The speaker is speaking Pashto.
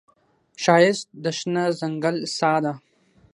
ښایست د شنه ځنګل ساه ده